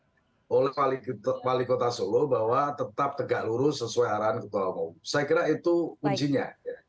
ya saya kira itu adalah kesempatan yang penting untuk wali kota solo bahwa tetap tegak lurus sesuai arahan ketua umum saya kira itu kuncinya